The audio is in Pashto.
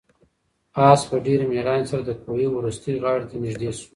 آس په ډېرې مېړانې سره د کوهي وروستۍ غاړې ته نږدې شو.